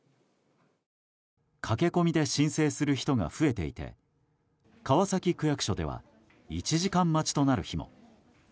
駆け込みで申請する人が増えていて川崎区役所では１時間待ちとなる日も。